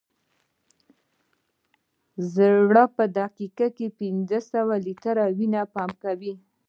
زړه په دقیقه کې پنځه لیټره وینه پمپ کوي.